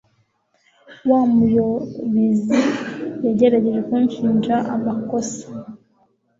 Wa muyobizi yagerageje kunshinja amakosa.